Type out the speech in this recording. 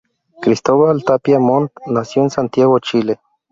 Cristóbal Tapia Montt nació en Santiago, Chile.